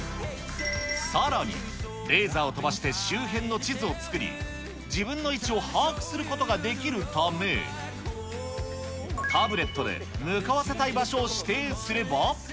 さらにレーザーを飛ばして周辺の地図を作り、自分の位置を把握することができるため、タブレットで向かわせたい場所を指定すれば。